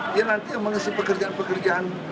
dia nanti yang mengisi pekerjaan pekerjaan